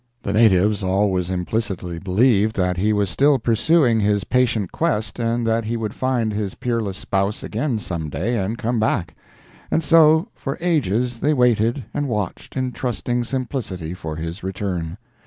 The natives always implicitly believed that he was still pursuing his patient quest and that he would find his peerless spouse again someday, and come back; and so, for ages they waited and watched in trusting simplicity for his return.